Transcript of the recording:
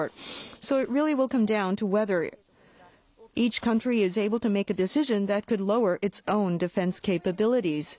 そうですね。